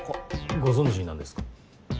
ご存じなんですか？